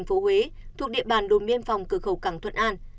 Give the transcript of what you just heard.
thuận an tp huế thuộc địa bàn đồn biên phòng cửa khẩu cảng thuận an